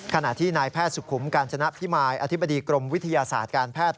ขณะที่นายแพทย์สุขุมกาญจนพิมายอธิบดีกรมวิทยาศาสตร์การแพทย์